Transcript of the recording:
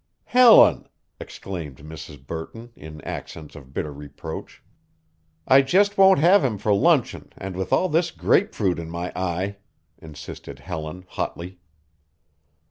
"Helen!" exclaimed Mrs. Burton in accents of bitter reproach. "I just won't have him for luncheon, and with all this grapefruit in my eye," insisted Helen, hotly.